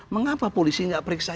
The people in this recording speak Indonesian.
mengapa polisi tidak periksa